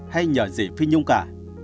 hay nhờ gì phi nhung cả